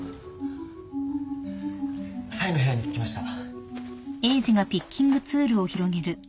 サイの部屋に着きました。